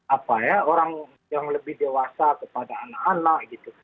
apa ya orang yang lebih dewasa kepada anak anak gitu